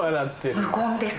無言です。